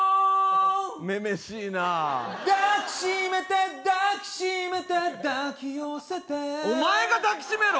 女々しいなあ抱きしめて抱きしめて抱き寄せてお前が抱きしめろ！